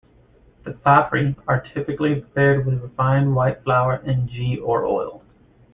The papri are typically prepared with refined white flour and ghee or oil.